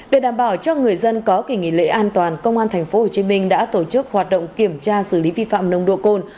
để đảm bảo cho người dân có kỷ nghị lễ an toàn công an tp hồ chí minh đã tổ chức hoạt động kiểm tra xử lý vi phạm nồng độ cồn